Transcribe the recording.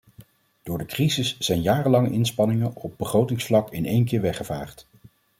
Door de crisis zijn jarenlange inspanningen op begrotingsvlak in één keer weggevaagd.